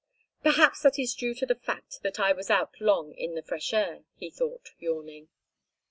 "Perhaps that is due to the fact that I was out long in the fresh air," he thought, yawning.